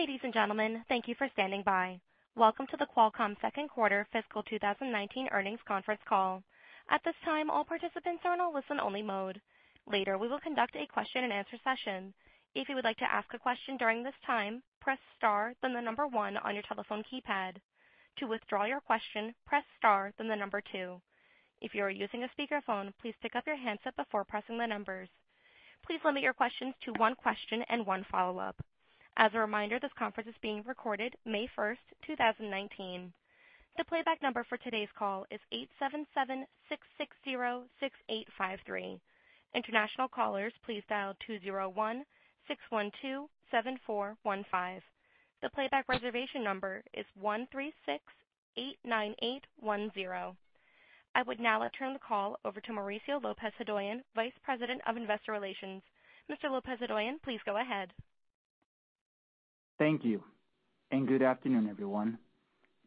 Ladies and gentlemen, thank you for standing by. Welcome to the Qualcomm second quarter fiscal 2019 earnings conference call. At this time, all participants are on a listen-only mode. Later, we will conduct a question and answer session. If you would like to ask a question during this time, press star then the number one on your telephone keypad. To withdraw your question, press star then the number two. If you are using a speakerphone, please pick up your handset before pressing the numbers. Please limit your questions to one question and one follow-up. As a reminder, this conference is being recorded May 1st, 2019. The playback number for today's call is 877-660-6853. International callers, please dial 201-612-7415. The playback reservation number is 1-368-9810. I would now like to turn the call over to Mauricio Lopez-Hodoyan, Vice President of Investor Relations. Mr. Lopez-Hodoyan, please go ahead. Thank you, and good afternoon, everyone.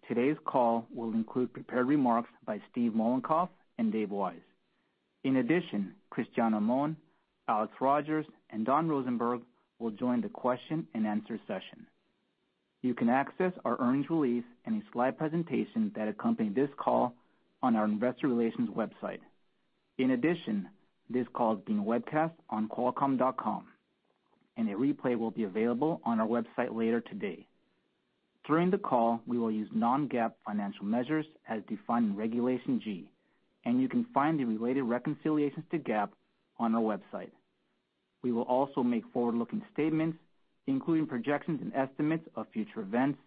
Today's call will include prepared remarks by Steve Mollenkopf and Dave Wise. In addition, Cristiano Amon, Alex Rogers, and Don Rosenberg will join the question and answer session. You can access our earnings release and a slide presentation that accompany this call on our investor relations website. In addition, this call is being webcast on qualcomm.com, and a replay will be available on our website later today. During the call, we will use non-GAAP financial measures as defined in Regulation G, and you can find the related reconciliations to GAAP on our website. We will also make forward-looking statements, including projections and estimates of future events,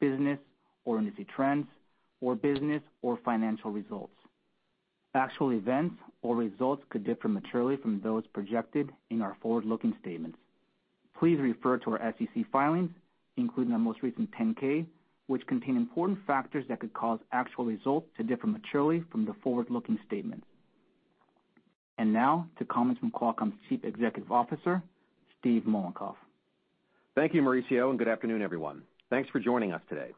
business or industry trends, or business or financial results. Actual events or results could differ materially from those projected in our forward-looking statements. Please refer to our SEC filings, including our most recent 10-K, which contain important factors that could cause actual results to differ materially from the forward-looking statements. Now to comments from Qualcomm's Chief Executive Officer, Steve Mollenkopf. Thank you, Mauricio, and good afternoon, everyone. Thanks for joining us today.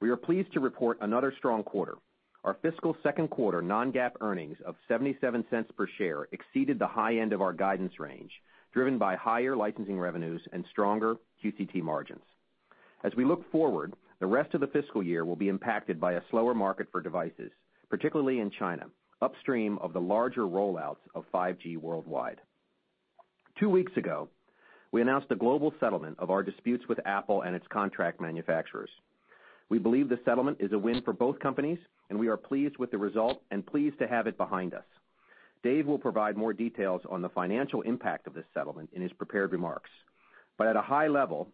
We are pleased to report another strong quarter. Our fiscal second quarter non-GAAP earnings of $0.77 per share exceeded the high end of our guidance range, driven by higher licensing revenues and stronger QCT margins. As we look forward, the rest of the fiscal year will be impacted by a slower market for devices, particularly in China, upstream of the larger rollouts of 5G worldwide. Two weeks ago, we announced a global settlement of our disputes with Apple and its contract manufacturers. We believe the settlement is a win for both companies, and we are pleased with the result and pleased to have it behind us. Dave will provide more details on the financial impact of this settlement in his prepared remarks. At a high level,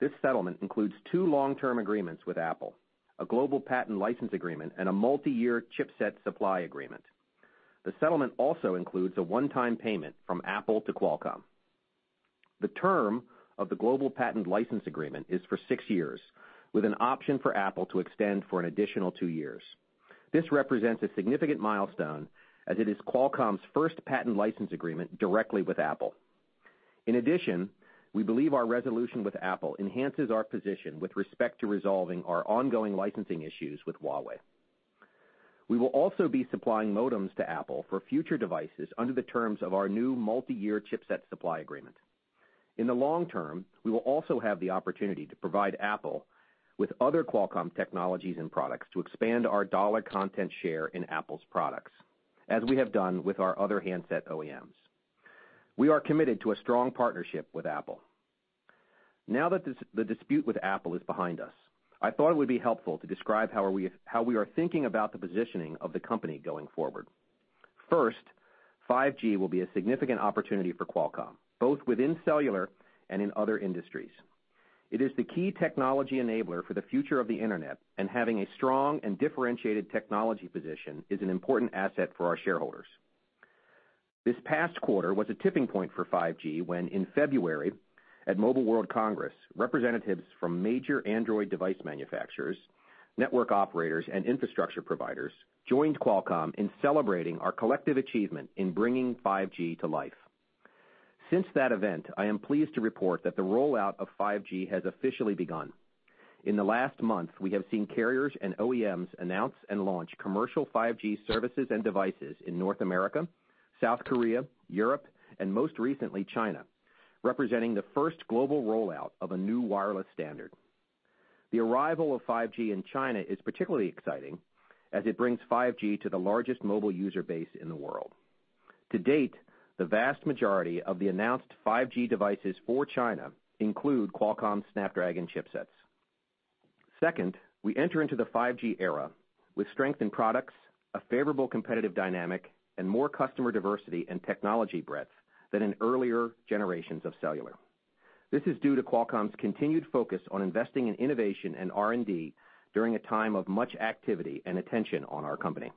this settlement includes two long-term agreements with Apple, a global patent license agreement, and a multi-year chipset supply agreement. The settlement also includes a one-time payment from Apple to Qualcomm. The term of the global patent license agreement is for six years with an option for Apple to extend for an additional two years. This represents a significant milestone as it is Qualcomm's first patent license agreement directly with Apple. In addition, we believe our resolution with Apple enhances our position with respect to resolving our ongoing licensing issues with Huawei. We will also be supplying modems to Apple for future devices under the terms of our new multi-year chipset supply agreement. In the long term, we will also have the opportunity to provide Apple with other Qualcomm technologies and products to expand our dollar content share in Apple's products, as we have done with our other handset OEMs. We are committed to a strong partnership with Apple. Now that the dispute with Apple is behind us, I thought it would be helpful to describe how we are thinking about the positioning of the company going forward. First, 5G will be a significant opportunity for Qualcomm, both within cellular and in other industries. It is the key technology enabler for the future of the internet, and having a strong and differentiated technology position is an important asset for our shareholders. This past quarter was a tipping point for 5G when in February at Mobile World Congress, representatives from major Android device manufacturers, network operators, and infrastructure providers joined Qualcomm in celebrating our collective achievement in bringing 5G to life. Since that event, I am pleased to report that the rollout of 5G has officially begun. In the last month, we have seen carriers and OEMs announce and launch commercial 5G services and devices in North America, South Korea, Europe, and most recently, China, representing the first global rollout of a new wireless standard. The arrival of 5G in China is particularly exciting, as it brings 5G to the largest mobile user base in the world. To date, the vast majority of the announced 5G devices for China include Qualcomm Snapdragon chipsets. Second, we enter into the 5G era with strength in products, a favorable competitive dynamic, and more customer diversity and technology breadth than in earlier generations of cellular. This is due to Qualcomm's continued focus on investing in innovation and R&D during a time of much activity and attention on our company.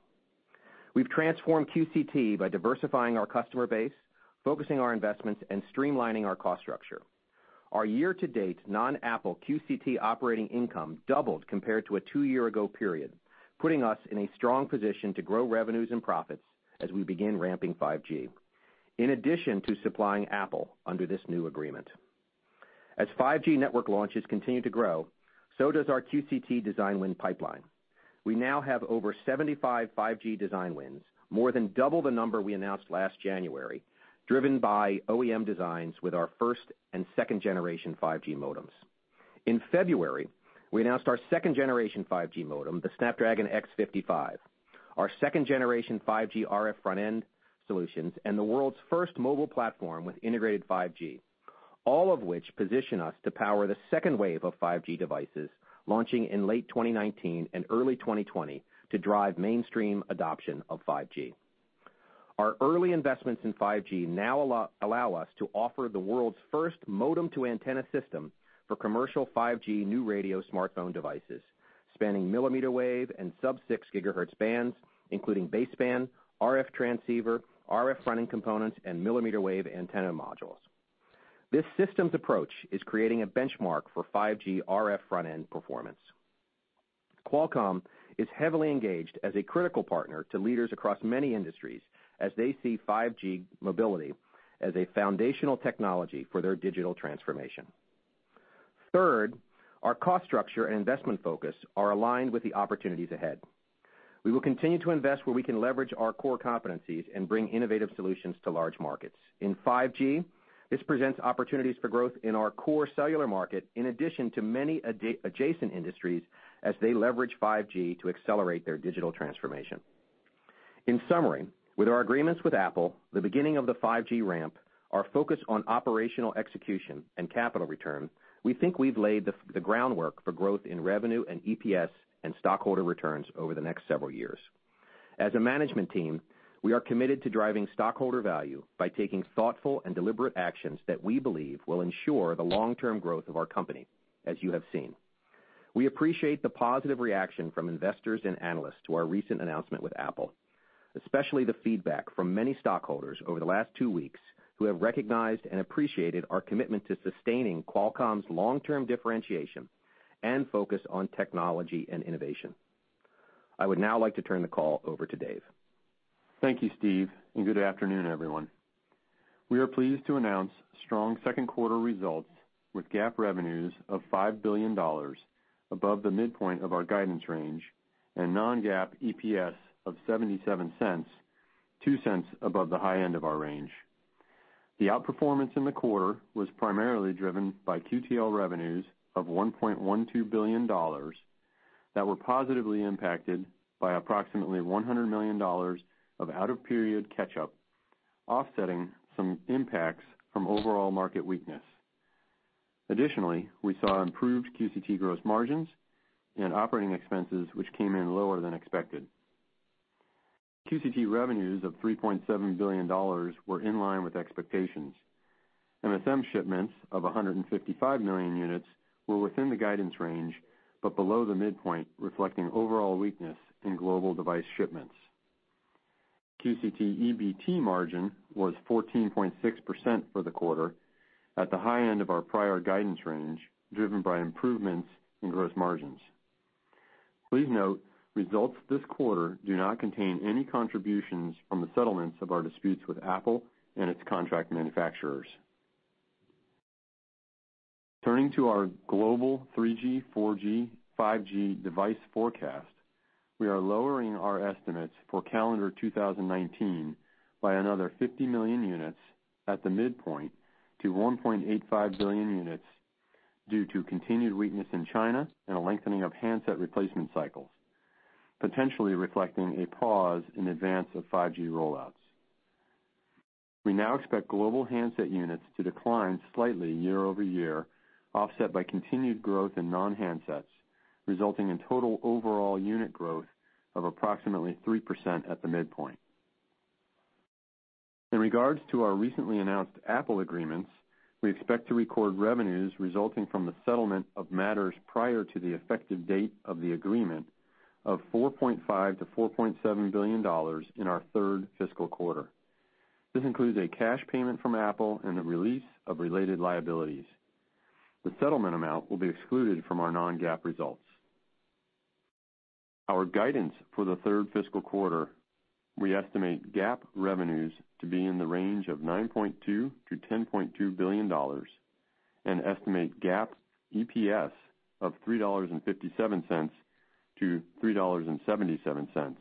We've transformed QCT by diversifying our customer base, focusing our investments, and streamlining our cost structure. Our year-to-date non-Apple QCT operating income doubled compared to a two-year-ago period, putting us in a strong position to grow revenues and profits as we begin ramping 5G, in addition to supplying Apple under this new agreement. As 5G network launches continue to grow, so does our QCT design win pipeline. We now have over 75 5G design wins, more than double the number we announced last January, driven by OEM designs with our first and second generation 5G modems. In February, we announced our second-generation 5G modem, the Snapdragon X55, our second-generation 5G RF front-end solutions, and the world's first mobile platform with integrated 5G, all of which position us to power the second wave of 5G devices launching in late 2019 and early 2020 to drive mainstream adoption of 5G. Our early investments in 5G now allow us to offer the world's first modem to antenna system for commercial 5G New Radio smartphone devices, spanning millimeter wave and sub-6 gigahertz bands, including baseband, RF transceiver, RF front-end components and millimeter wave antenna modules. This systems approach is creating a benchmark for 5G RF front-end performance. Qualcomm is heavily engaged as a critical partner to leaders across many industries as they see 5G mobility as a foundational technology for their digital transformation. Third, our cost structure and investment focus are aligned with the opportunities ahead. We will continue to invest where we can leverage our core competencies and bring innovative solutions to large markets. In 5G, this presents opportunities for growth in our core cellular market, in addition to many adjacent industries as they leverage 5G to accelerate their digital transformation. In summary, with our agreements with Apple, the beginning of the 5G ramp, our focus on operational execution and capital return, we think we've laid the groundwork for growth in revenue and EPS and stockholder returns over the next several years. As a management team, we are committed to driving stockholder value by taking thoughtful and deliberate actions that we believe will ensure the long-term growth of our company, as you have seen. We appreciate the positive reaction from investors and analysts to our recent announcement with Apple, especially the feedback from many stockholders over the last two weeks who have recognized and appreciated our commitment to sustaining Qualcomm's long-term differentiation and focus on technology and innovation. I would now like to turn the call over to Dave. Thank you, Steve, and good afternoon, everyone. We are pleased to announce strong second quarter results with GAAP revenues of $5 billion above the midpoint of our guidance range, and non-GAAP EPS of $0.77, $0.02 above the high end of our range. The outperformance in the quarter was primarily driven by QTL revenues of $1.12 billion that were positively impacted by approximately $100 million of out-of-period catch-up, offsetting some impacts from overall market weakness. Additionally, we saw improved QCT gross margins and operating expenses, which came in lower than expected. QCT revenues of $3.7 billion were in line with expectations. MSM shipments of 155 million units were within the guidance range, but below the midpoint, reflecting overall weakness in global device shipments. QCT EBT margin was 14.6% for the quarter, at the high end of our prior guidance range, driven by improvements in gross margins. Please note, results this quarter do not contain any contributions from the settlements of our disputes with Apple and its contract manufacturers. Turning to our global 3G, 4G, 5G device forecast, we are lowering our estimates for calendar 2019 by another 50 million units at the midpoint to 1.85 billion units due to continued weakness in China and a lengthening of handset replacement cycles, potentially reflecting a pause in advance of 5G rollouts. We now expect global handset units to decline slightly year-over-year, offset by continued growth in non-handsets, resulting in total overall unit growth of approximately 3% at the midpoint. In regards to our recently announced Apple agreements, we expect to record revenues resulting from the settlement of matters prior to the effective date of the agreement of $4.5 billion-$4.7 billion in our third fiscal quarter. This includes a cash payment from Apple and a release of related liabilities. The settlement amount will be excluded from our non-GAAP results. Our guidance for the third fiscal quarter, we estimate GAAP revenues to be in the range of $9.2 billion-$10.2 billion and estimate GAAP EPS of $3.57-$3.77,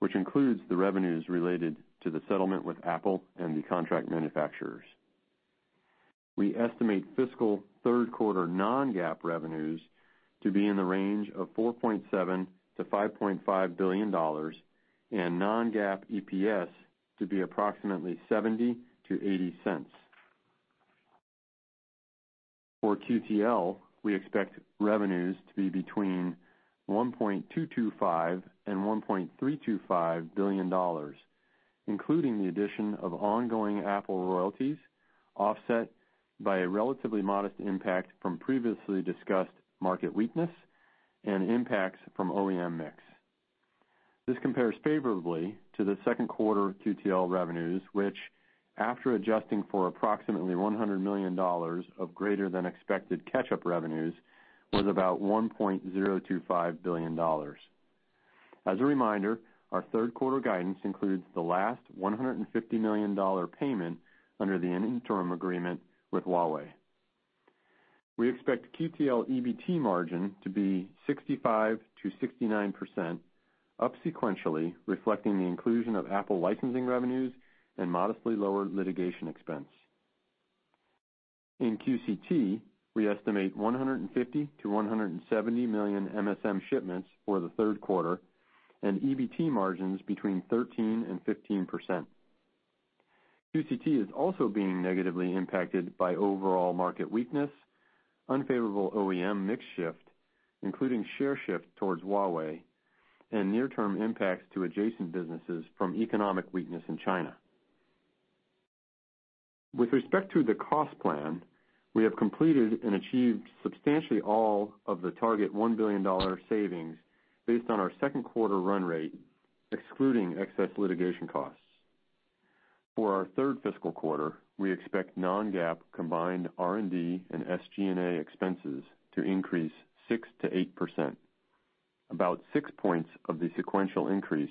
which includes the revenues related to the settlement with Apple and the contract manufacturers. We estimate fiscal third quarter non-GAAP revenues to be in the range of $4.7 billion-$5.5 billion and non-GAAP EPS to be approximately $0.70-$0.80. For QTL, we expect revenues to be between $1.225 billion and $1.325 billion, including the addition of ongoing Apple royalties, offset by a relatively modest impact from previously discussed market weakness and impacts from OEM mix. This compares favorably to the second quarter QTL revenues, which, after adjusting for approximately $100 million of greater than expected catch-up revenues, was about $1.025 billion. As a reminder, our third quarter guidance includes the last $150 million payment under the interim agreement with Huawei. We expect QTL EBT margin to be 65%-69%, up sequentially, reflecting the inclusion of Apple licensing revenues and modestly lower litigation expense. In QCT, we estimate 150 million-170 million MSM shipments for the third quarter and EBT margins between 13% and 15%. QCT is also being negatively impacted by overall market weakness, unfavorable OEM mix shift, including share shift towards Huawei, and near-term impacts to adjacent businesses from economic weakness in China. With respect to the cost plan, we have completed and achieved substantially all of the target $1 billion savings based on our second quarter run rate, excluding excess litigation costs. For our third fiscal quarter, we expect non-GAAP combined R&D and SG&A expenses to increase 6%-8%. About six points of the sequential increase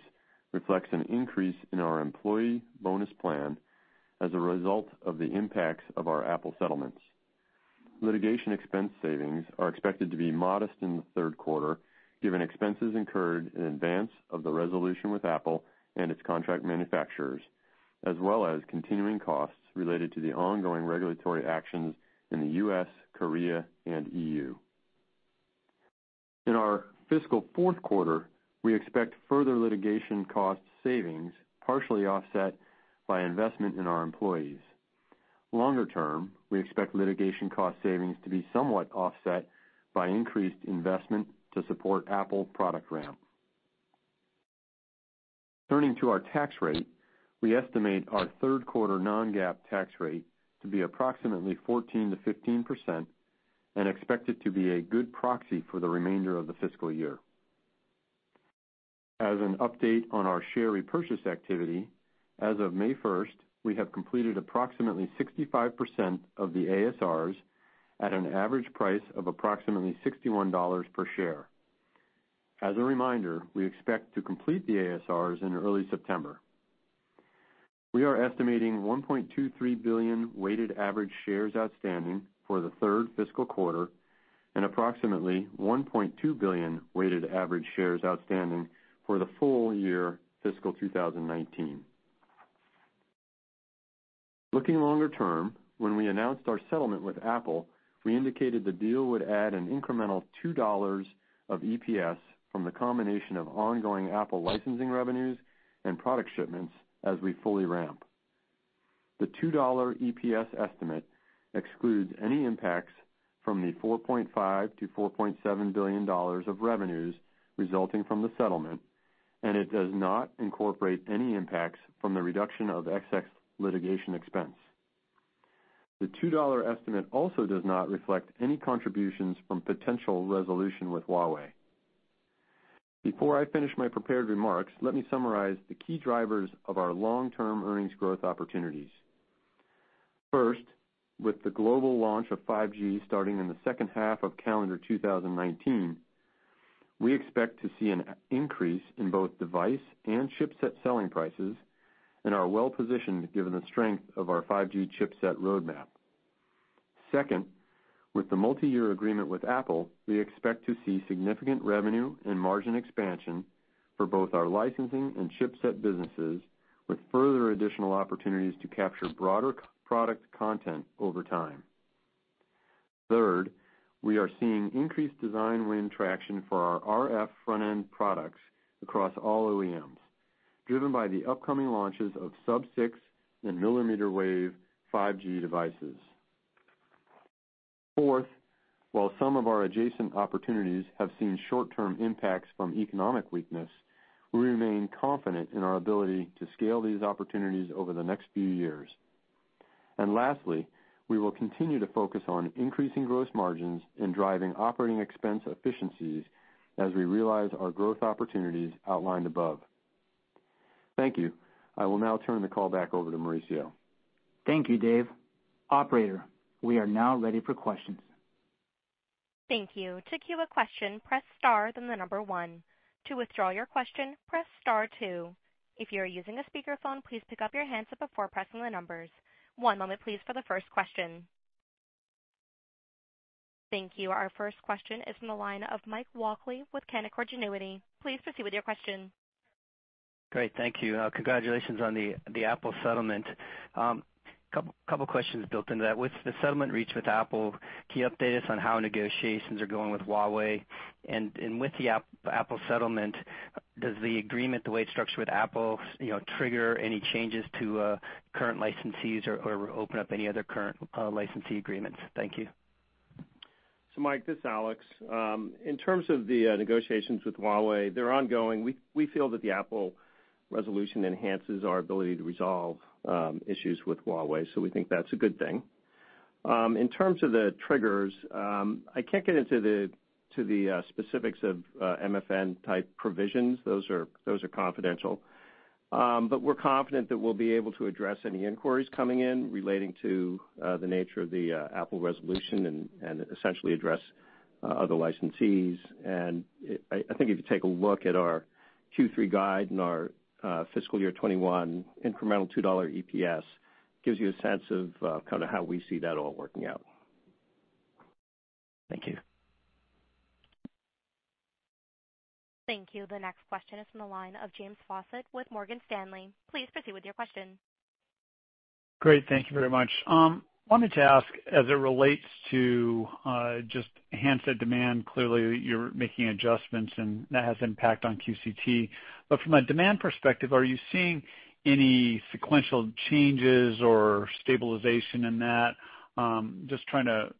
reflects an increase in our employee bonus plan as a result of the impacts of our Apple settlements. Litigation expense savings are expected to be modest in the third quarter, given expenses incurred in advance of the resolution with Apple and its contract manufacturers, as well as continuing costs related to the ongoing regulatory actions in the U.S., Korea, and EU. In our fiscal fourth quarter, we expect further litigation cost savings, partially offset by investment in our employees. Longer term, we expect litigation cost savings to be somewhat offset by increased investment to support Apple product ramp. Turning to our tax rate, we estimate our third quarter non-GAAP tax rate to be approximately 14%-15% and expect it to be a good proxy for the remainder of the fiscal year. As an update on our share repurchase activity, as of May 1st, we have completed approximately 65% of the ASRs at an average price of approximately $61 per share. As a reminder, we expect to complete the ASRs in early September. We are estimating 1.23 billion weighted average shares outstanding for the third fiscal quarter and approximately 1.2 billion weighted average shares outstanding for the full year fiscal 2019. Looking longer term, when we announced our settlement with Apple, we indicated the deal would add an incremental $2 of EPS from the combination of ongoing Apple licensing revenues and product shipments as we fully ramp. The $2 EPS estimate excludes any impacts from the $4.5 billion to $4.7 billion of revenues resulting from the settlement, and it does not incorporate any impacts from the reduction of excess litigation expense. The $2 estimate also does not reflect any contributions from potential resolution with Huawei. Before I finish my prepared remarks, let me summarize the key drivers of our long-term earnings growth opportunities. First, with the global launch of 5G starting in the second half of calendar 2019, we expect to see an increase in both device and chipset selling prices and are well-positioned given the strength of our 5G chipset roadmap. Second, with the multi-year agreement with Apple, we expect to see significant revenue and margin expansion for both our licensing and chipset businesses, with further additional opportunities to capture broader product content over time. Third, we are seeing increased design win traction for our RF front-end products across all OEMs, driven by the upcoming launches of sub-6 and millimeter wave 5G devices. Fourth, while some of our adjacent opportunities have seen short-term impacts from economic weakness, we remain confident in our ability to scale these opportunities over the next few years. Lastly, we will continue to focus on increasing gross margins and driving operating expense efficiencies as we realize our growth opportunities outlined above. Thank you. I will now turn the call back over to Mauricio. Thank you, Dave. Operator, we are now ready for questions. Thank you. To queue a question, press star, then the number one. To withdraw your question, press star two. If you are using a speakerphone, please pick up your handset before pressing the numbers. One moment, please, for the first question. Thank you. Our first question is from the line of Mike Walkley with Canaccord Genuity. Please proceed with your question. Great, thank you. Congratulations on the Apple settlement. Couple of questions built into that. With the settlement reached with Apple, can you update us on how negotiations are going with Huawei? With the Apple settlement, does the agreement, the way it's structured with Apple, trigger any changes to current licensees or open up any other current licensee agreements? Thank you. Mike, this is Alex. In terms of the negotiations with Huawei, they're ongoing. We feel that the Apple resolution enhances our ability to resolve issues with Huawei, so we think that's a good thing. In terms of the triggers, I can't get into the specifics of MFN type provisions. Those are confidential. We're confident that we'll be able to address any inquiries coming in relating to the nature of the Apple resolution and essentially address Other licensees. I think if you take a look at our Q3 guide and our fiscal year 2021 incremental $2 EPS, gives you a sense of kind of how we see that all working out. Thank you. Thank you. The next question is from the line of James Faucette with Morgan Stanley. Please proceed with your question. Great. Thank you very much. Wanted to ask, as it relates to just handset demand, clearly, you're making adjustments and that has impact on QCT. From a demand perspective, are you seeing any sequential changes or stabilization in that? Just trying to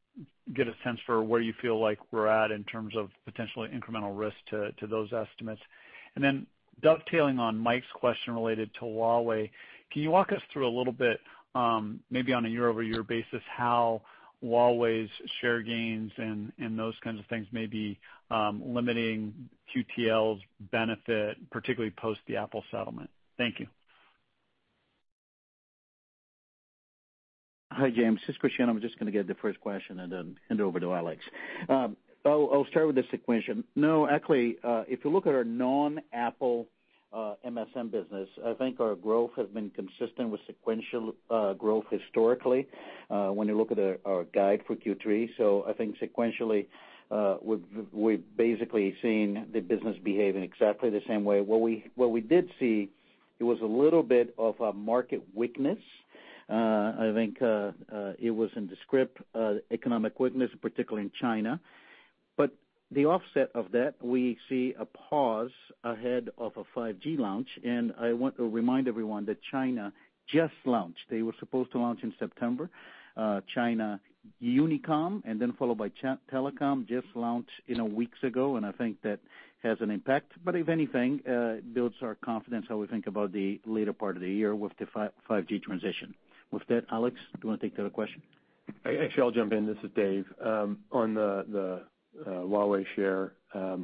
get a sense for where you feel like we're at in terms of potentially incremental risk to those estimates. Dovetailing on Mike's question related to Huawei, can you walk us through a little bit, maybe on a year-over-year basis, how Huawei's share gains and those kinds of things may be limiting QTL's benefit, particularly post the Apple settlement? Thank you. Hi, James. This is Cristiano. I'm just going to give the first question and then hand it over to Alex. I'll start with the sequential. No, actually, if you look at our non-Apple MSM business, I think our growth has been consistent with sequential growth historically when you look at our guide for Q3. I think sequentially, we've basically seen the business behaving exactly the same way. What we did see, it was a little bit of a market weakness. I think it was in the script, economic weakness, particularly in China. The offset of that, we see a pause ahead of a 5G launch, and I want to remind everyone that China just launched. They were supposed to launch in September. China Unicom, and then followed by Telecom, just launched weeks ago, and I think that has an impact. If anything, builds our confidence how we think about the later part of the year with the 5G transition. With that, Alex, do you want to take the other question? Actually, I'll jump in. This is Dave. On the Huawei share,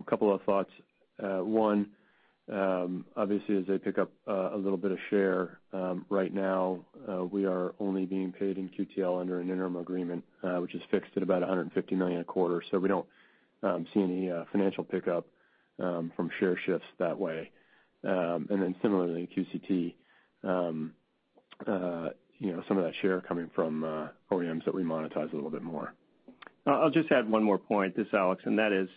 couple of thoughts. One, obviously as they pick up a little bit of share, right now, we are only being paid in QTL under an interim agreement, which is fixed at about $150 million a quarter. We don't see any financial pickup from share shifts that way. Then similarly in QCT, some of that share coming from OEMs that we monetize a little bit more. I'll just add one more point, this is Alex, that is,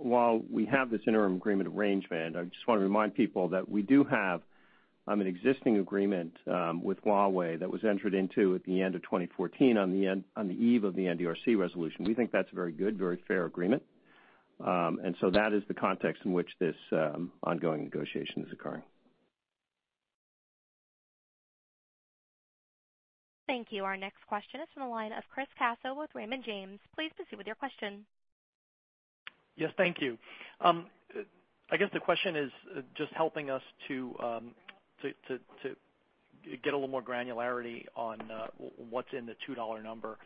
while we have this interim agreement arrangement, I just want to remind people that we do have an existing agreement with Huawei that was entered into at the end of 2014 on the eve of the NDRC resolution. We think that's a very good, very fair agreement. So that is the context in which this ongoing negotiation is occurring. Thank you. Our next question is from the line of Chris Caso with Raymond James. Please proceed with your question. Yes, thank you. I guess the question is just helping us to get a little more granularity on what's in the $2 number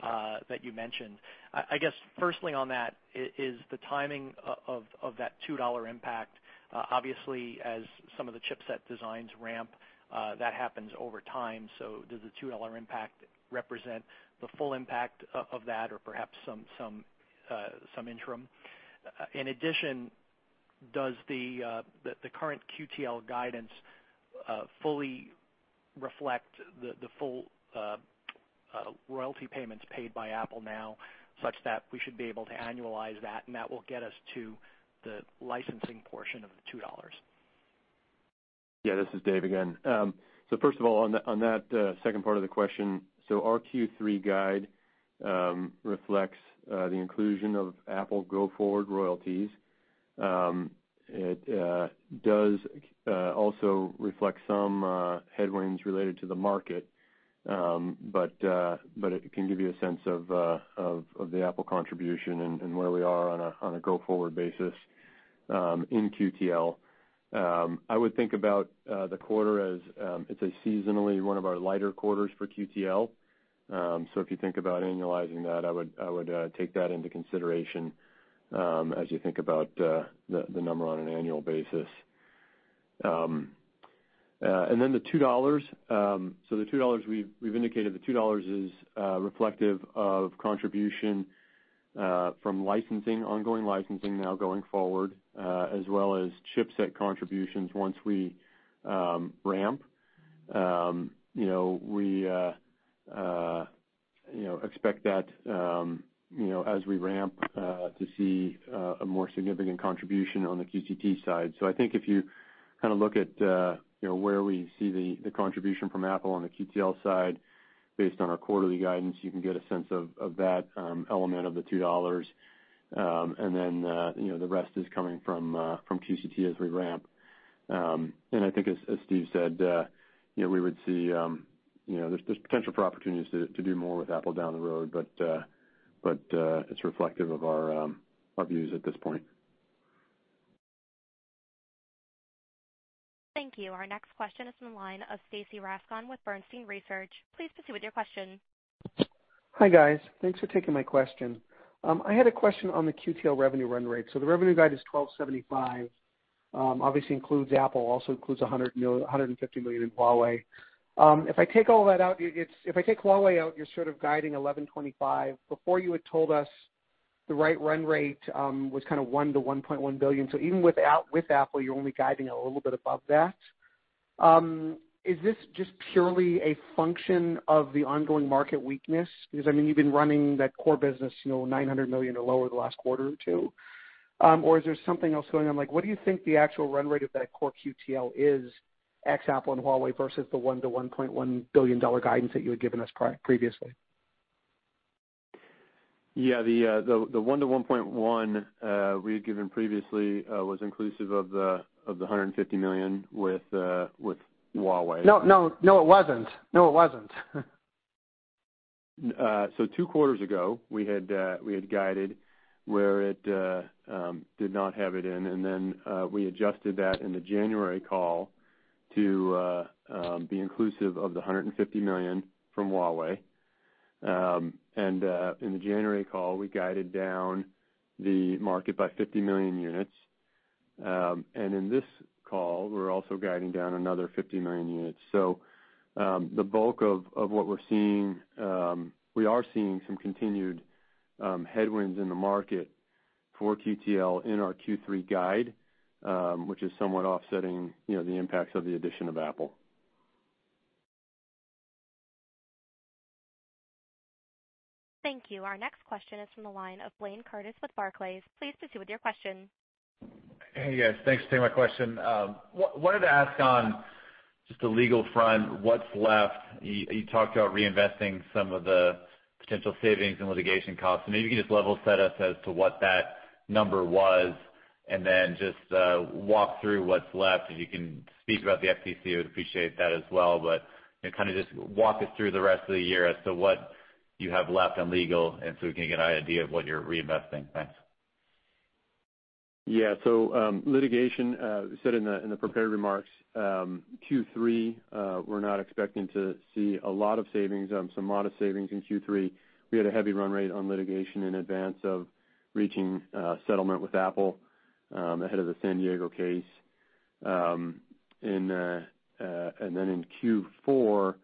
that you mentioned. I guess firstly on that, is the timing of that $2 impact. Obviously, as some of the chipset designs ramp, that happens over time. Does the $2 impact represent the full impact of that or perhaps some interim? In addition, does the current QTL guidance fully reflect the full royalty payments paid by Apple now, such that we should be able to annualize that and that will get us to the licensing portion of the $2? Yeah, this is Dave again. First of all, on that second part of the question, our Q3 guide reflects the inclusion of Apple go forward royalties. It does also reflect some headwinds related to the market. It can give you a sense of the Apple contribution and where we are on a go-forward basis in QTL. I would think about the quarter as it's a seasonally one of our lighter quarters for QTL. If you think about annualizing that, I would take that into consideration as you think about the number on an annual basis. Then the $2. The $2 we've indicated is reflective of contribution from licensing, ongoing licensing now going forward, as well as chipset contributions once we ramp. We expect that as we ramp to see a more significant contribution on the QCT side. I think if you kind of look at where we see the contribution from Apple on the QTL side based on our quarterly guidance, you can get a sense of that element of the $2, then the rest is coming from QCT as we ramp. I think as Steve said, there's potential for opportunities to do more with Apple down the road, but it's reflective of our views at this point. Thank you. Our next question is from the line of Stacy Rasgon with Bernstein Research. Please proceed with your question. Hi, guys. Thanks for taking my question. I had a question on the QTL revenue run rate. The revenue guide is $12.75 Obviously includes Apple, also includes $150 million in Huawei. If I take all that out, if I take Huawei out, you're sort of guiding $1,125. Before you had told us the right run rate was kind of $1 billion-$1.1 billion. Even with Apple, you're only guiding a little bit above that. Is this just purely a function of the ongoing market weakness? You've been running that core business, $900 million or lower the last quarter or two. Is there something else going on? What do you think the actual run rate of that core QTL is ex Apple and Huawei versus the $1 billion-$1.1 billion guidance that you had given us previously? Yeah, the $1 billion-$1.1 billion we had given previously was inclusive of the $150 million with Huawei. No, it wasn't. Two quarters ago, we had guided where it did not have it in, then we adjusted that in the January call to be inclusive of the 150 million from Huawei. In the January call, we guided down the market by 50 million units. In this call, we are also guiding down another 50 million units. The bulk of what we are seeing, we are seeing some continued headwinds in the market for QTL in our Q3 guide, which is somewhat offsetting the impacts of the addition of Apple. Thank you. Our next question is from the line of Blayne Curtis with Barclays. Please proceed with your question. Hey, guys. Thanks for taking my question. Wanted to ask on just the legal front, what is left. You talked about reinvesting some of the potential savings and litigation costs. Maybe you could just level set us as to what that number was and then just walk through what is left. If you can speak about the FTC, I would appreciate that as well, but kind of just walk us through the rest of the year as to what you have left in legal, and so we can get an idea of what you are reinvesting. Thanks. Yeah. Litigation, we said in the prepared remarks Q3, we are not expecting to see a lot of savings, some modest savings in Q3. We had a heavy run rate on litigation in advance of reaching a settlement with Apple ahead of the San Diego case. Then in Q4,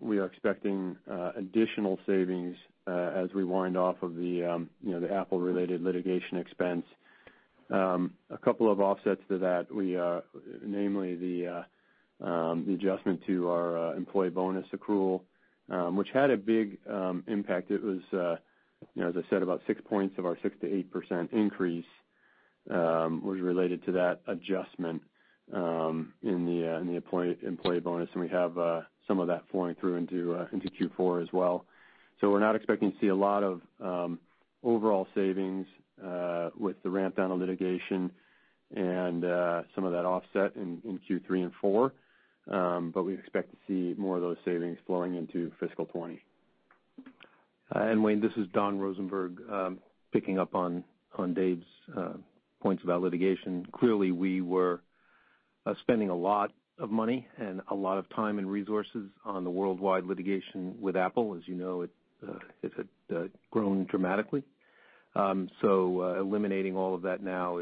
we are expecting additional savings as we wind off of the Apple-related litigation expense. A couple of offsets to that, namely the adjustment to our employee bonus accrual, which had a big impact. It was, as I said, about six points of our 6%-8% increase was related to that adjustment in the employee bonus, and we have some of that flowing through into Q4 as well. We're not expecting to see a lot of overall savings with the ramp down on litigation and some of that offset in Q3 and four, but we expect to see more of those savings flowing into fiscal 2020. Blayne, this is Don Rosenberg. Picking up on Dave's points about litigation. Clearly, we were spending a lot of money and a lot of time and resources on the worldwide litigation with Apple. As you know, it had grown dramatically. Eliminating all of that now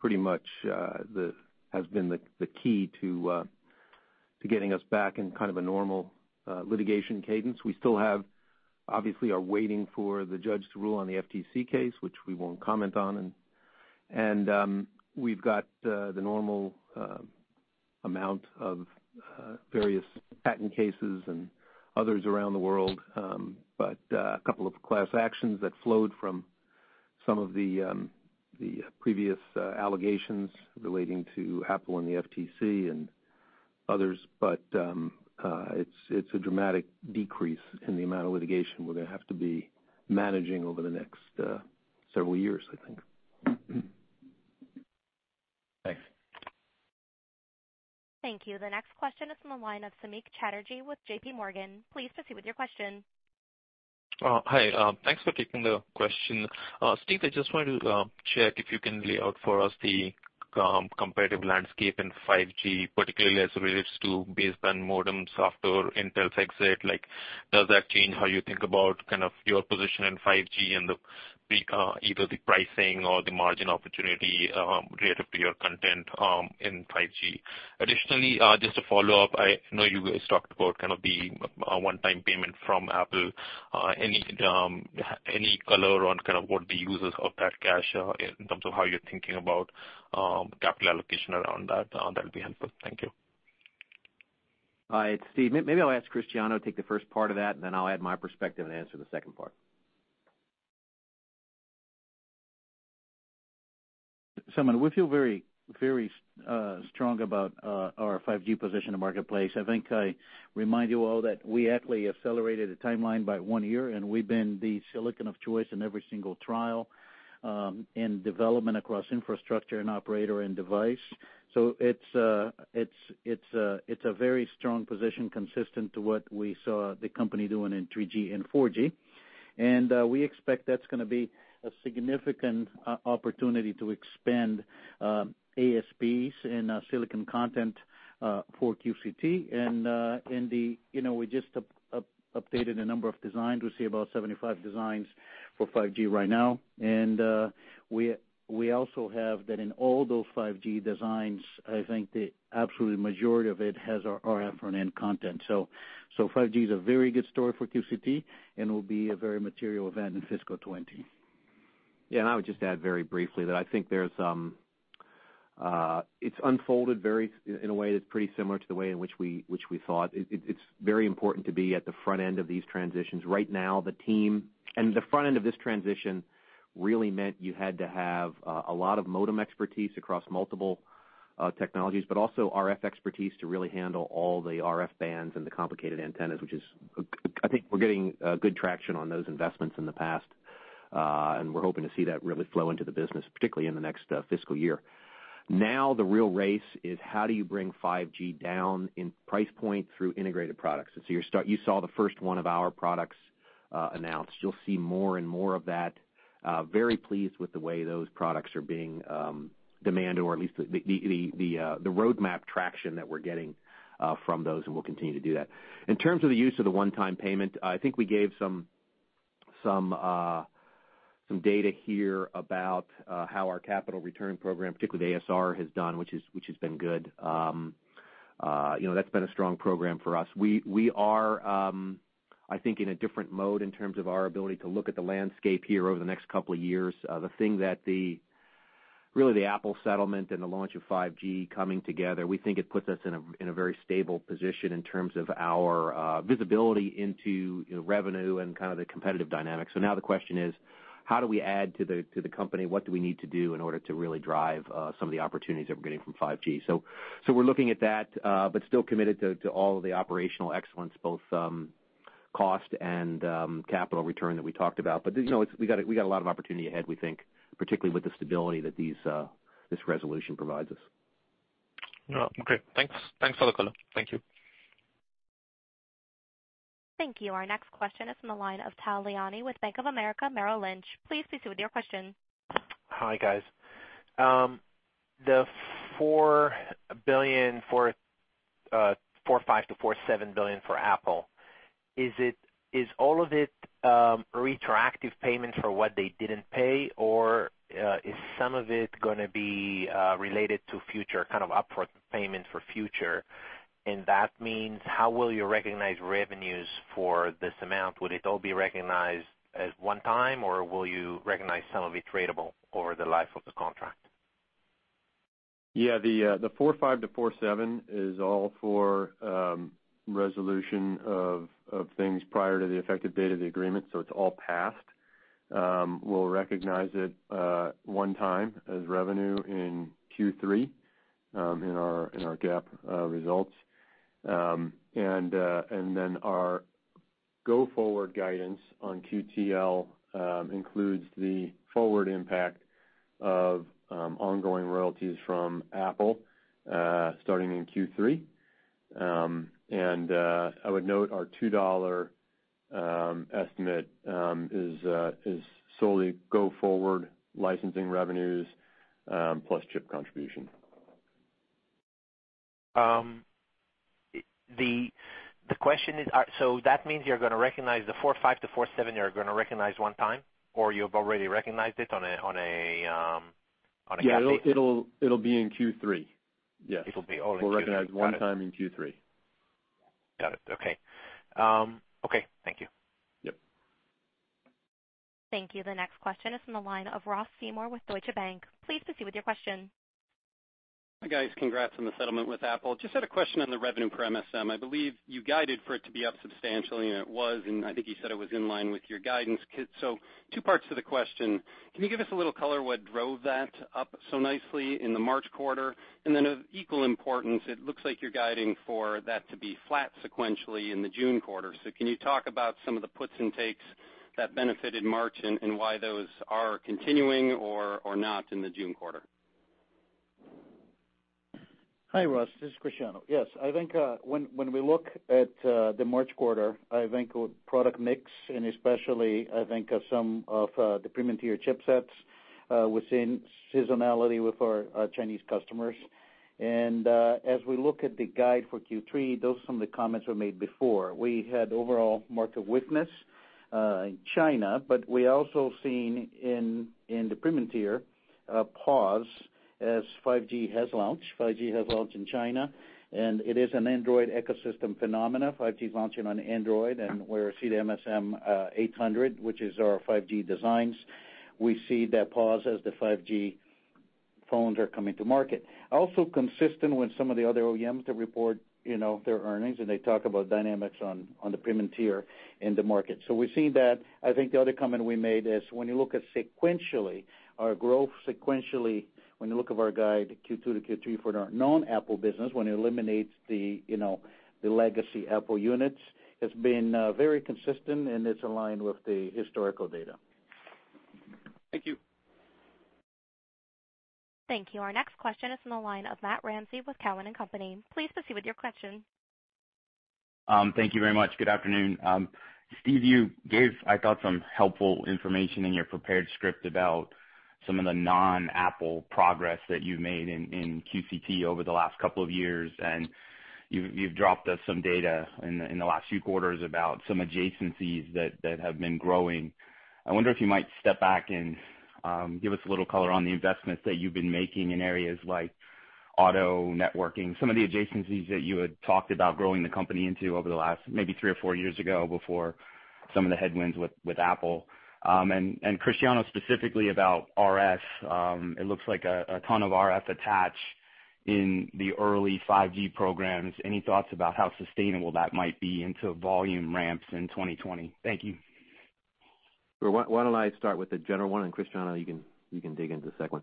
pretty much has been the key to getting us back in kind of a normal litigation cadence. We still obviously are waiting for the judge to rule on the FTC case, which we won't comment on, and we've got the normal amount of various patent cases and others around the world. A couple of class actions that flowed from some of the previous allegations relating to Apple and the FTC and others. It's a dramatic decrease in the amount of litigation we're going to have to be managing over the next several years, I think. Thanks. Thank you. The next question is from the line of Samik Chatterjee with JPMorgan. Please proceed with your question. Hi, thanks for taking the question. Steve, I just wanted to check if you can lay out for us the competitive landscape in 5G, particularly as it relates to baseband modem software Intel exit. Does that change how you think about kind of your position in 5G and either the pricing or the margin opportunity relative to your content in 5G? Additionally, just to follow up, I know you guys talked about kind of the one-time payment from Apple. Any color on kind of what the uses of that cash in terms of how you're thinking about capital allocation around that? That would be helpful. Thank you. Hi, it's Steve. Maybe I'll ask Cristiano to take the first part of that. I'll add my perspective and answer the second part. Samik, we feel very strong about our 5G position in the marketplace. I think I remind you all that we actually accelerated a timeline by one year. We've been the silicon of choice in every single trial and development across infrastructure and operator and device. It's a very strong position consistent to what we saw the company doing in 3G and 4G. We expect that's going to be a significant opportunity to expand ASPs and silicon content for QCT. We just updated a number of designs. We see about 75 designs for 5G right now. We also have that in all those 5G designs, I think the absolute majority of it has our RF front-end content. 5G is a very good story for QCT and will be a very material event in fiscal 2020. I would just add very briefly that I think it's unfolded in a way that's pretty similar to the way in which we thought. It's very important to be at the front end of these transitions. Right now, the front end of this transition really meant you had to have a lot of modem expertise across multiple technologies, but also RF expertise to really handle all the RF bands and the complicated antennas, which is, I think, we're getting good traction on those investments in the past. We're hoping to see that really flow into the business, particularly in the next fiscal year. The real race is how do you bring 5G down in price point through integrated products? You saw the first one of our products announced. You'll see more and more of that. Very pleased with the way those products are being demanded, or at least the roadmap traction that we're getting from those. We'll continue to do that. In terms of the use of the one-time payment, I think we gave some data here about how our capital return program, particularly with ASR, has done, which has been good. That's been a strong program for us. We are, I think, in a different mode in terms of our ability to look at the landscape here over the next couple of years. The thing that really the Apple settlement and the launch of 5G coming together, we think it puts us in a very stable position in terms of our visibility into revenue and kind of the competitive dynamics. The question is how do we add to the company? What do we need to do in order to really drive some of the opportunities that we're getting from 5G? We're looking at that. Still committed to all of the operational excellence, both cost and capital return that we talked about. We got a lot of opportunity ahead, we think, particularly with the stability that this resolution provides us. Yeah. Okay. Thanks for the call. Thank you. Thank you. Our next question is from the line of Tal Liani with Bank of America Merrill Lynch. Please proceed with your question. Hi, guys. The $4 billion, $4.5 billion-$4.7 billion for Apple, is all of it retroactive payments for what they didn't pay, or is some of it going to be related to kind of up-front payment for future? That means how will you recognize revenues for this amount? Would it all be recognized as one-time, or will you recognize some of it ratable over the life of the contract? Yeah. The $4.5-$4.7 is all for resolution of things prior to the effective date of the agreement, so it's all past. We'll recognize it one time as revenue in Q3 in our GAAP results. Our go-forward guidance on QTL includes the forward impact of ongoing royalties from Apple starting in Q3. I would note our $2 estimate is solely go forward licensing revenues plus chip contribution. That means you're going to recognize the $4.5-$4.7, you're going to recognize one time, or you've already recognized it. Yeah. It'll be in Q3. Yes. It'll be all in Q3. Got it. We'll recognize one time in Q3. Got it. Okay. Okay. Thank you. Yep. Thank you. The next question is from the line of Ross Seymore with Deutsche Bank. Please proceed with your question. Hi, guys. Congrats on the settlement with Apple. Just had a question on the revenue per MSM. I believe you guided for it to be up substantially, it was, and I think you said it was in line with your guidance. Two parts to the question. Can you give us a little color what drove that up so nicely in the March quarter? Then of equal importance, it looks like you're guiding for that to be flat sequentially in the June quarter. Can you talk about some of the puts and takes that benefited March and why those are continuing or not in the June quarter? Hi, Ross. This is Cristiano. Yes. I think when we look at the March quarter, I think product mix and especially, I think of some of the premium tier chipsets within seasonality with our Chinese customers. As we look at the guide for Q3, those are some of the comments were made before. We had overall market weakness in China, but we also seen in the premium tier a pause as 5G has launched. 5G has launched in China, it is an Android ecosystem phenomena, 5G is launching on Android, and where MSM8998, which is our 5G designs, we see that pause as the 5G phones are coming to market. Also consistent with some of the other OEMs that report their earnings, and they talk about dynamics on the premium tier in the market. We're seeing that. I think the other comment we made is when you look at sequentially, our growth sequentially, when you look of our guide Q2 to Q3 for our non-Apple business, when it eliminates the legacy Apple units, it's been very consistent and it's aligned with the historical data. Thank you. Thank you. Our next question is from the line of Matthew Ramsay with Cowen and Company. Please proceed with your question. Thank you very much. Good afternoon. Steve, you gave, I thought, some helpful information in your prepared script about some of the non-Apple progress that you've made in QCT over the last couple of years, and you've dropped us some data in the last few quarters about some adjacencies that have been growing. I wonder if you might step back and Give us a little color on the investments that you've been making in areas like auto networking, some of the adjacencies that you had talked about growing the company into over the last maybe three or four years ago before some of the headwinds with Apple. Cristiano, specifically about RF. It looks like a ton of RF attach in the early 5G programs. Any thoughts about how sustainable that might be into volume ramps in 2020? Thank you. Well, why don't I start with the general one, and Cristiano, you can dig into the second one.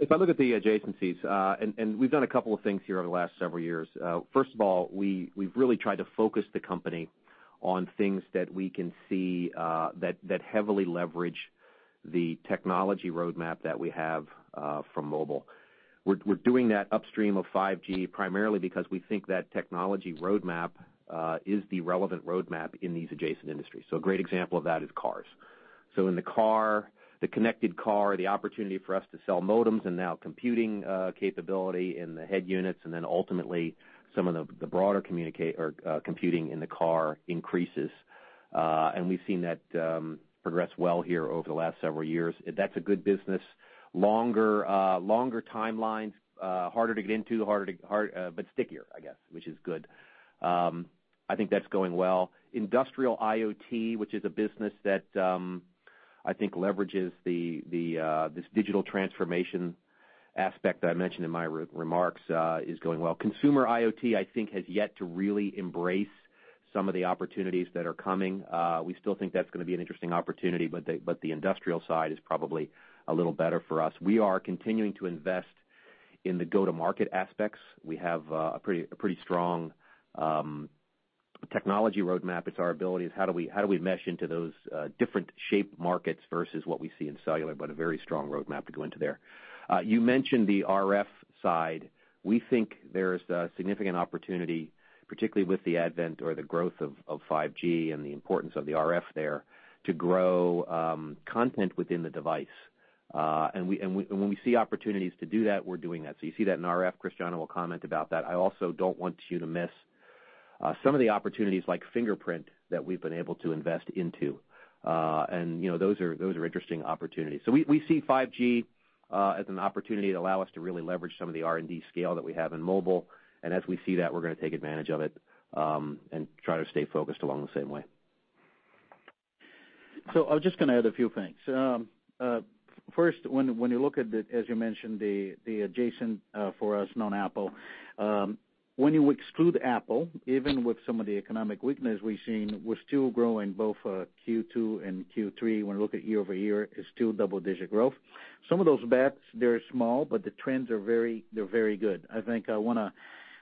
If I look at the adjacencies, and we've done a couple of things here over the last several years. First of all, we've really tried to focus the company on things that we can see that heavily leverage the technology roadmap that we have from mobile. We're doing that upstream of 5G primarily because we think that technology roadmap is the relevant roadmap in these adjacent industries. A great example of that is cars. In the car, the connected car, the opportunity for us to sell modems and now computing capability in the head units, and then ultimately some of the broader computing in the car increases. We've seen that progress well here over the last several years. That's a good business. Longer timelines, harder to get into, but stickier, I guess, which is good. I think that's going well. Industrial IoT, which is a business that I think leverages this digital transformation aspect that I mentioned in my remarks, is going well. Consumer IoT, I think, has yet to really embrace some of the opportunities that are coming. We still think that's going to be an interesting opportunity, but the industrial side is probably a little better for us. We are continuing to invest in the go-to-market aspects. We have a pretty strong technology roadmap. It's our ability is how do we mesh into those different shape markets versus what we see in cellular, but a very strong roadmap to go into there. You mentioned the RF side. We think there's a significant opportunity, particularly with the advent or the growth of 5G and the importance of the RF there, to grow content within the device. When we see opportunities to do that, we're doing that. You see that in RF. Cristiano will comment about that. I also don't want you to miss some of the opportunities like fingerprint that we've been able to invest into. Those are interesting opportunities. We see 5G as an opportunity to allow us to really leverage some of the R&D scale that we have in mobile. As we see that, we're going to take advantage of it, and try to stay focused along the same way. I'm just going to add a few things. First, when you look at, as you mentioned, the adjacent for us non-Apple, when you exclude Apple, even with some of the economic weakness we've seen, we're still growing both Q2 and Q3. When you look at year-over-year, it's still double-digit growth. Some of those bets, they're small, but the trends are very good. I think I want to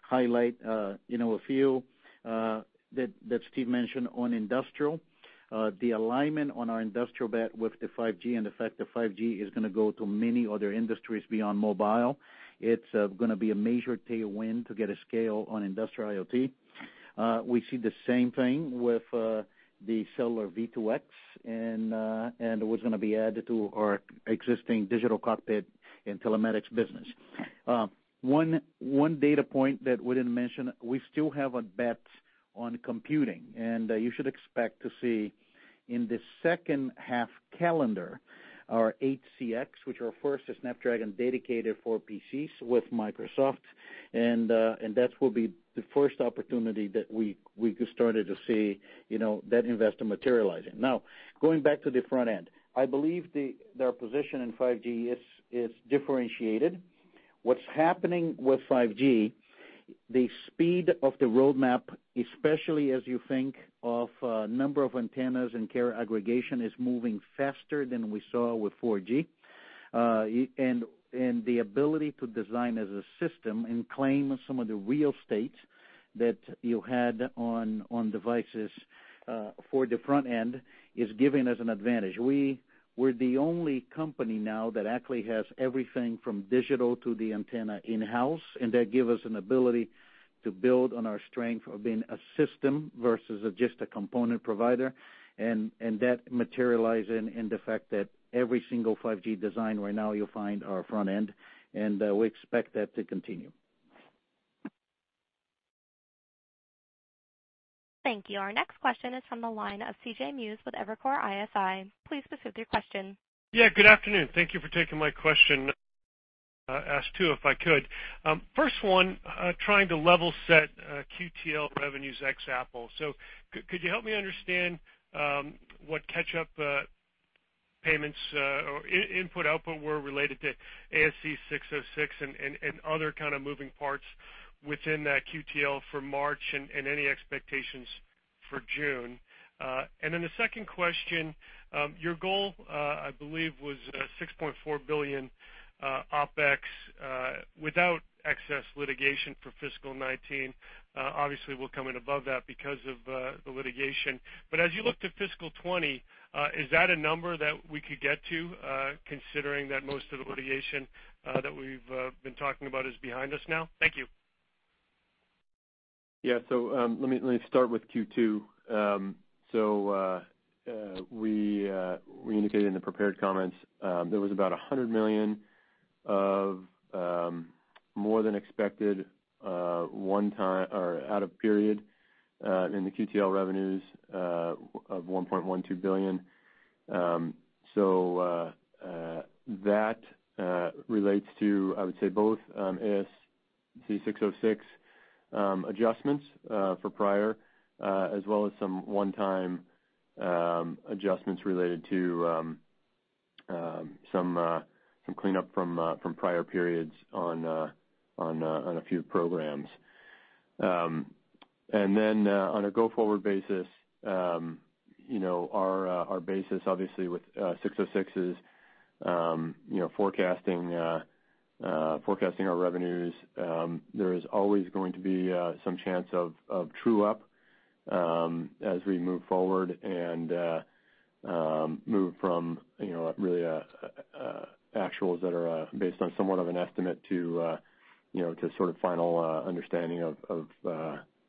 highlight a few that Steve mentioned on industrial. The alignment on our industrial bet with the 5G and the fact that 5G is going to go to many other industries beyond mobile, it's going to be a major tailwind to get a scale on industrial IoT. We see the same thing with the cellular V2X, and what's going to be added to our existing digital cockpit and telematics business. One data point that we didn't mention, we still have a bet on computing, you should expect to see in the second half calendar, our 8cx, which our first is Snapdragon dedicated for PCs with Microsoft. That will be the first opportunity that we could started to see that investor materializing. Going back to the front end, I believe their position in 5G is differentiated. What's happening with 5G, the speed of the roadmap, especially as you think of number of antennas and carrier aggregation, is moving faster than we saw with 4G. The ability to design as a system and claim some of the real estate that you had on devices for the front end is giving us an advantage. We're the only company now that actually has everything from digital to the antenna in-house, that give us an ability to build on our strength of being a system versus just a component provider. That materialize in the fact that every single 5G design right now you'll find our front end, and we expect that to continue. Thank you. Our next question is from the line of C.J. Muse with Evercore ISI. Please proceed with your question. Yeah, good afternoon. Thank you for taking my question. Ask two, if I could. First one, trying to level set QTL revenues ex Apple. Could you help me understand what catch-up payments or input-output were related to ASC 606 and other kind of moving parts within that QTL for March and any expectations for June? The second question, your goal, I believe, was $6.4 billion OpEx, without excess litigation for fiscal 2019. Obviously, we'll come in above that because of the litigation. As you looked at fiscal 2020, is that a number that we could get to, considering that most of the litigation that we've been talking about is behind us now? Thank you. Yeah. Let me start with Q2. We indicated in the prepared comments, there was about $100 million Of more than expected one time or out of period in the QTL revenues of $1.12 billion. That relates to, I would say, both ASC 606 adjustments for prior as well as some one-time adjustments related to some cleanup from prior periods on a few programs. On a go-forward basis, our basis obviously with 606 is forecasting our revenues. There is always going to be some chance of true-up as we move forward and move from really actuals that are based on somewhat of an estimate to sort of final understanding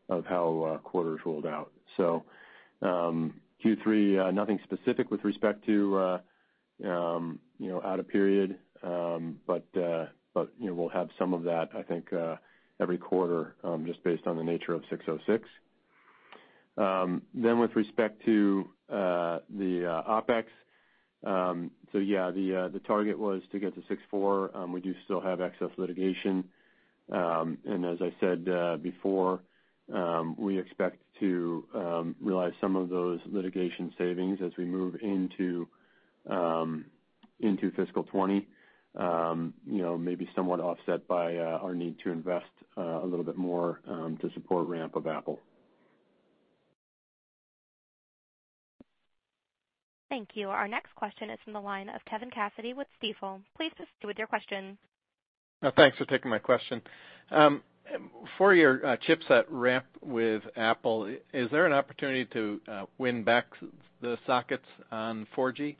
of how quarters rolled out. Q3, nothing specific with respect to out of period, but we'll have some of that, I think every quarter, just based on the nature of 606. With respect to the OpEx, yeah, the target was to get to $6.4 billion. We do still have excess litigation. As I said before, we expect to realize some of those litigation savings as we move into fiscal 2020, maybe somewhat offset by our need to invest a little bit more to support ramp of Apple. Thank you. Our next question is from the line of Kevin Cassidy with Stifel. Please proceed with your question. Thanks for taking my question. For your chipset ramp with Apple, is there an opportunity to win back the sockets on 4G?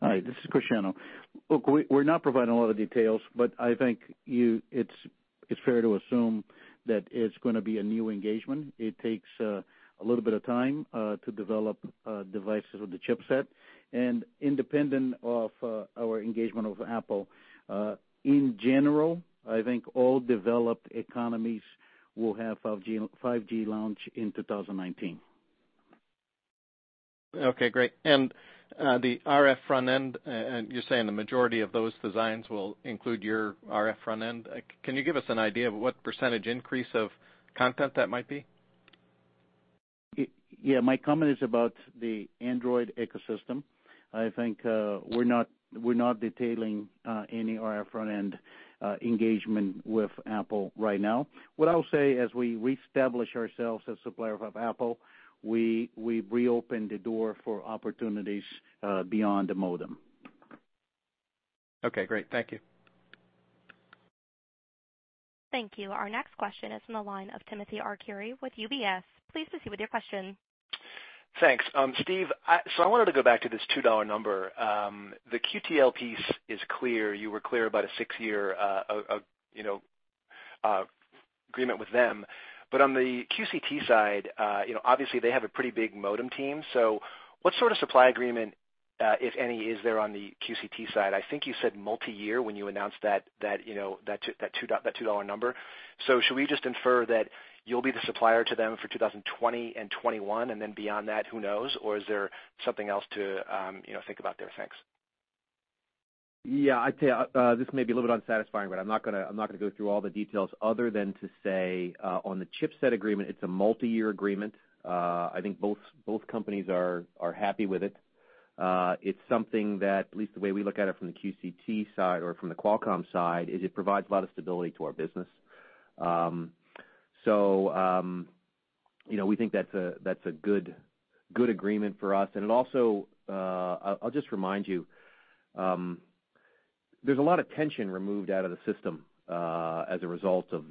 Hi, this is Cristiano. Look, we're not providing a lot of details, but I think it's fair to assume that it's going to be a new engagement. It takes a little bit of time to develop devices with the chipset and independent of our engagement with Apple. In general, I think all developed economies will have 5G launch in 2019. Okay, great. The RF front end, you're saying the majority of those designs will include your RF front end. Can you give us an idea of what percentage increase of content that might be? Yeah, my comment is about the Android ecosystem. We're not detailing any RF front end engagement with Apple right now. What I'll say as we reestablish ourselves as supplier of Apple, we reopen the door for opportunities beyond the modem. Okay, great. Thank you. Thank you. Our next question is from the line of Timothy Arcuri with UBS. Please proceed with your question. Thanks, Steve. I wanted to go back to this $2 number. The QTL piece is clear. You were clear about a six-year agreement with them. On the QCT side, obviously, they have a pretty big modem team. What sort of supply agreement, if any, is there on the QCT side? I think you said multi-year when you announced that $2 number. Should we just infer that you'll be the supplier to them for 2020 and 2021, and then beyond that, who knows? Or is there something else to think about there? Thanks. I'd say this may be a little bit unsatisfying, but I'm not going to go through all the details other than to say, on the chipset agreement, it's a multi-year agreement. I think both companies are happy with it. It's something that, at least the way we look at it from the QCT side or from the Qualcomm side, it provides a lot of stability to our business. We think that's a good agreement for us. It also, I'll just remind you, there's a lot of tension removed out of the system as a result of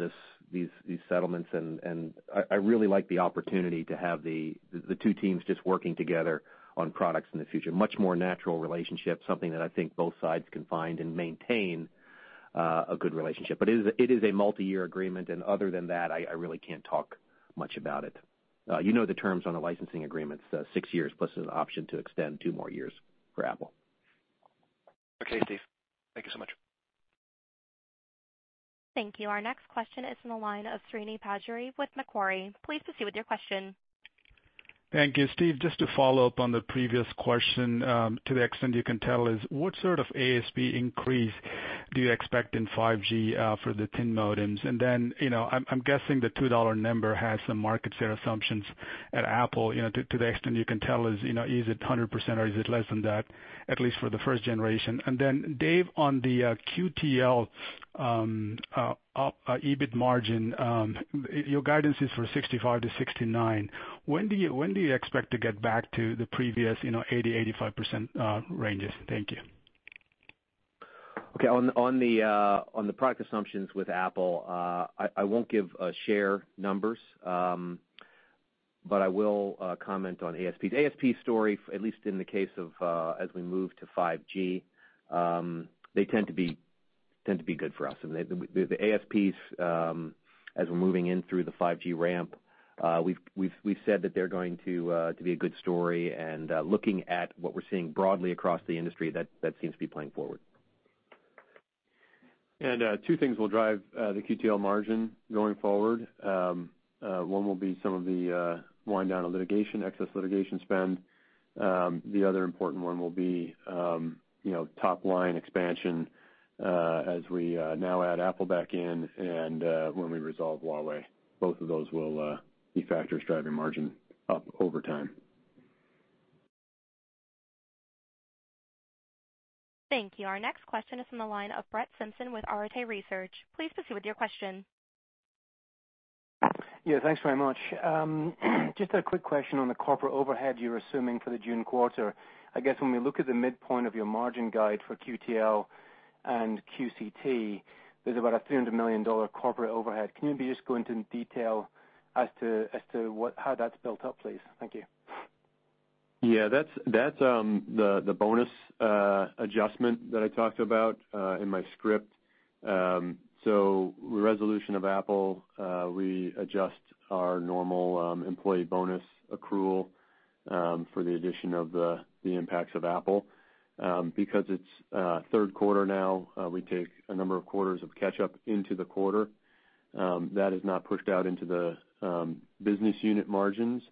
these settlements, and I really like the opportunity to have the two teams just working together on products in the future, a much more natural relationship, something that I think both sides can find and maintain a good relationship. It is a multi-year agreement and other than that, I really can't talk much about it. You know, the terms on the licensing agreements, six years plus an option to extend two more years for Apple. Okay, Steve. Thank you so much. Thank you. Our next question is from the line of Srini Pajjuri with Macquarie. Please proceed with your question. Thank you, Steve, just to follow up on the previous question, to the extent you can tell is what sort of ASP increase do you expect in 5G for the 10 modems? I'm guessing the $2 number has some market share assumptions at Apple, to the extent you can tell is it 100% or is it less than that, at least for the first generation? Dave, on the QTL EBIT margin, your guidance is for 65%-69%. When do you expect to get back to the previous 80%, 85% ranges? Thank you. On the product assumptions with Apple, I won't give share numbers, but I will comment on ASP. The ASP story, at least in the case of as we move to 5G, they tend to be Tend to be good for us. The ASPs, as we're moving in through the 5G ramp, we've said that they're going to be a good story and looking at what we're seeing broadly across the industry, that seems to be playing forward. Two things will drive the QTL margin going forward. One will be some of the wind-down of litigation, excess litigation spend. The other important one will be top-line expansion as we now add Apple back in and when we resolve Huawei. Both of those will be factors driving margin up over time. Thank you. Our next question is from the line of Brett Simpson with Arete Research. Please proceed with your question. Thanks very much. Just a quick question on the corporate overhead you're assuming for the June quarter. I guess when we look at the midpoint of your margin guide for QTL and QCT, there's about a $300 million corporate overhead. Can you maybe just go into detail as to how that's built up, please? Thank you. That's the bonus adjustment that I talked about in my script. Resolution of Apple, we adjust our normal employee bonus accrual for the addition of the impacts of Apple. Because it's third quarter now, we take a number of quarters of catch-up into the quarter. That is not pushed out into the business unit margins.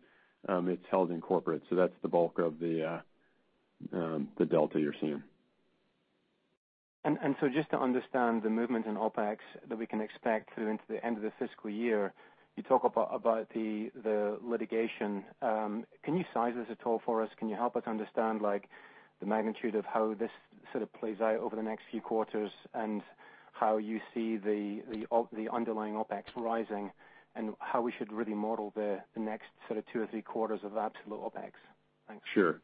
It's held in corporate. That's the bulk of the delta you're seeing. Just to understand the movement in OpEx that we can expect through into the end of the fiscal year, you talk about the litigation. Can you size this at all for us? Can you help us understand the magnitude of how this sort of plays out over the next few quarters and how you see the underlying OpEx rising, and how we should really model the next sort of two or three quarters of absolute OpEx? Thanks. Sure.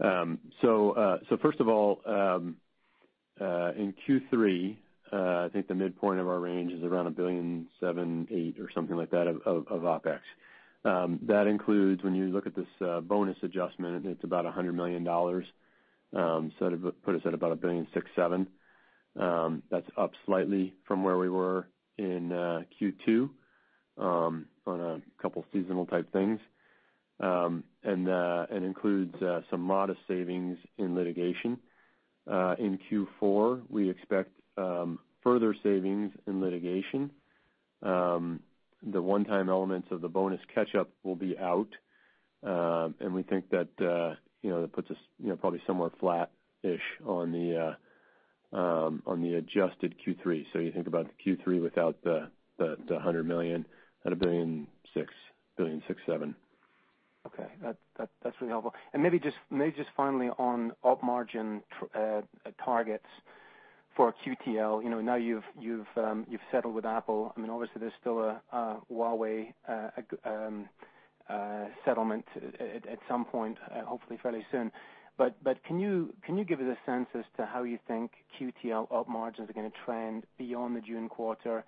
First of all, in Q3, I think the midpoint of our range is around $1.7 billion or $1.8 billion or something like that of OpEx. That includes, when you look at this bonus adjustment, it's about $100 million, so that would put us at about $1.6 billion or $1.7 billion. That's up slightly from where we were in Q2 on a couple of seasonal type things, and includes some modest savings in litigation. In Q4, we expect further savings in litigation. The one-time elements of the bonus catch-up will be out, and we think that it puts us probably somewhat flat-ish on the adjusted Q3. You think about the Q3 without the $100 million at $1.6 billion or $1.7 billion. Okay. That's really helpful. Maybe just finally on op margin targets for QTL. Now you've settled with Apple. Obviously there's still a Huawei settlement at some point, hopefully fairly soon. Can you give us a sense as to how you think QTL op margins are going to trend beyond the June quarter?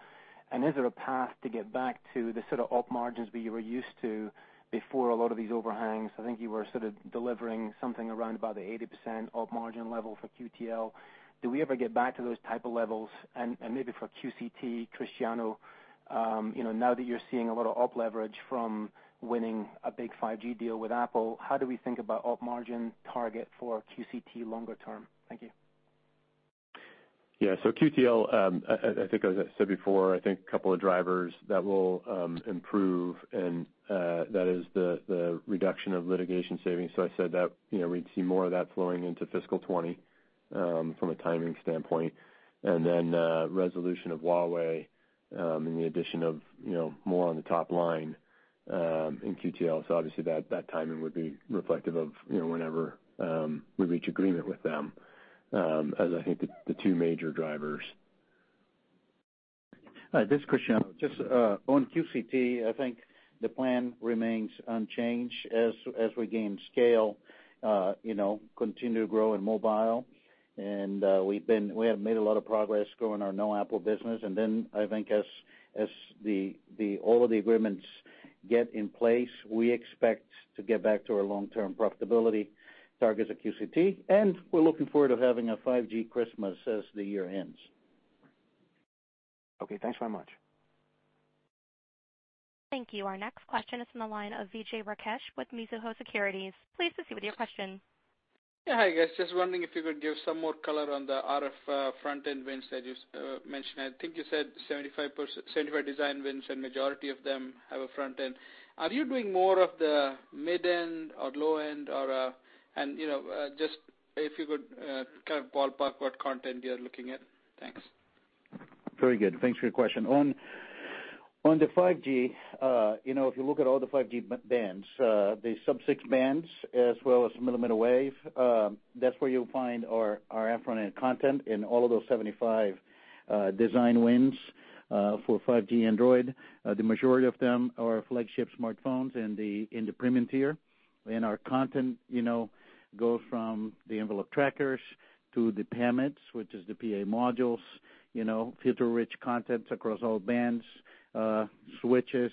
Is there a path to get back to the sort of op margins we were used to before a lot of these overhangs? I think you were sort of delivering something around about the 80% op margin level for QTL. Do we ever get back to those type of levels? Maybe for QCT, Cristiano, now that you're seeing a lot of op leverage from winning a big 5G deal with Apple, how do we think about op margin target for QCT longer term? Thank you. Yeah. QTL, I think as I said before, I think a couple of drivers that will improve, and that is the reduction of litigation savings. I said that we'd see more of that flowing into fiscal 2020 from a timing standpoint. Resolution of Huawei and the addition of more on the top line in QTL. Obviously that timing would be reflective of whenever we reach agreement with them as I think the two major drivers. Hi, this is Cristiano. Just on QCT, I think the plan remains unchanged as we gain scale, continue to grow in mobile. We have made a lot of progress growing our no-Apple business, I think as all of the agreements get in place, we expect to get back to our long-term profitability targets at QCT. We're looking forward of having a 5G Christmas as the year ends. Okay, thanks very much. Thank you. Our next question is from the line of Vijay Rakesh with Mizuho Securities. Please proceed with your question. Hi, guys. Just wondering if you could give some more color on the RF front-end wins that you mentioned. I think you said 75 design wins, majority of them have a front end. Are you doing more of the mid end or low end? Just if you could kind of ballpark what content you're looking at. Thanks. Very good. Thanks for your question. On the 5G, if you look at all the 5G bands, the sub-6 bands as well as millimeter wave, that's where you'll find our front-end content in all of those 75 design wins for 5G Android. The majority of them are flagship smartphones in the premium tier. Our content goes from the envelope trackers to the PAMid, which is the PA modules, filter-rich contents across all bands, switches,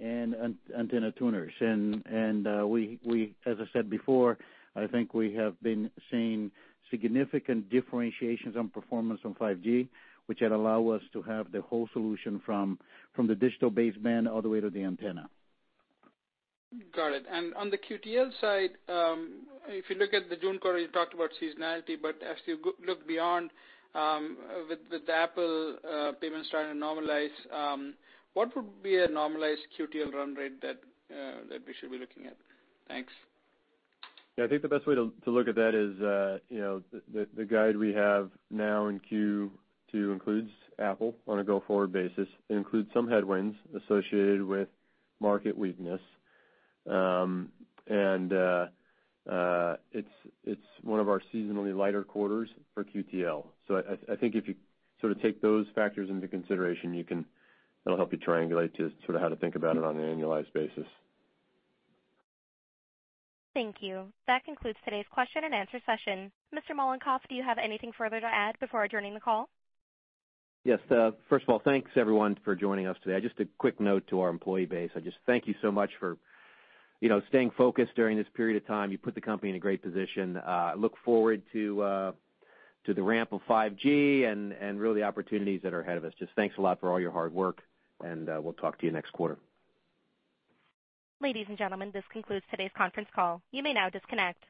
and antenna tuners. As I said before, I think we have been seeing significant differentiations on performance on 5G, which had allowed us to have the whole solution from the digital baseband all the way to the antenna. Got it. On the QTL side, if you look at the June quarter, you talked about seasonality, but as you look beyond with Apple payments starting to normalize, what would be a normalized QTL run rate that we should be looking at? Thanks. Yeah, I think the best way to look at that is the guide we have now in Q2 includes Apple on a go-forward basis. It includes some headwinds associated with market weakness. It's one of our seasonally lighter quarters for QTL. I think if you sort of take those factors in consideration, that'll help you triangulate just sort of how to think about it on an annualized basis. Thank you. That concludes today's question and answer session. Mr. Mollenkopf, do you have anything further to add before adjourning the call? Yes. First of all, thanks everyone for joining us today. Just a quick note to our employee base. I just thank you so much for staying focused during this period of time. You put the company in a great position. I look forward to the ramp of 5G and really the opportunities that are ahead of us. Just thanks a lot for all your hard work and we'll talk to you next quarter. Ladies and gentlemen, this concludes today's conference call. You may now disconnect.